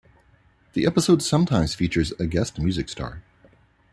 The episode sometimes features a guest music star.